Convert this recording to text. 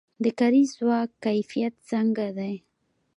د کاري ځواک کیفیت څنګه دی؟